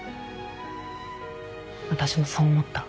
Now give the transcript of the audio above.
私もそう思った。